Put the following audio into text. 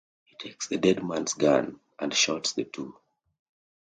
He takes the dead man's gun and shoots the two.